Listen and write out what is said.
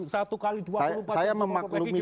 satu kali dua puluh empat jam saya memaklumi